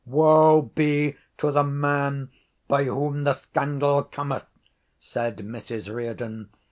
—Woe be to the man by whom the scandal cometh! said Mrs Riordan.